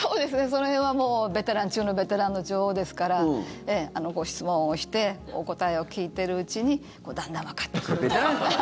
その辺はもうベテラン中のベテランの女王ですからご質問をしてお答えを聞いているうちにだんだんわかってくる。